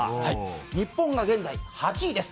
日本が現在８位です。